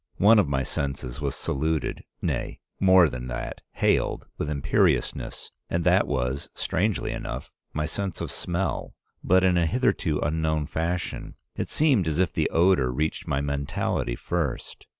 One of my senses was saluted, nay, more than that, hailed, with imperiousness, and that was, strangely enough, my sense of smell, but in a hitherto unknown fashion. It seemed as if the odor reached my mentality first.